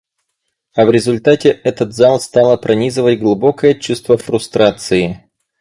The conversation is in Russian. А в результате этот зал стало пронизывать глубокое чувство фрустрации.